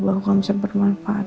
bahwa kamu bisa bermanfaat